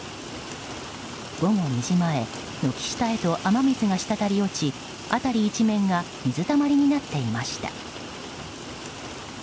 午後２時前軒下へと雨水がしたたり落ち辺り一面が水たまりになっていました。